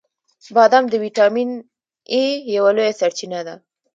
• بادام د ویټامین ای یوه لویه سرچینه ده.